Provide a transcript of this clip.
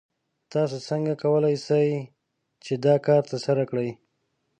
تاسو څنګه کولی شئ چې دا کار ترسره کړئ؟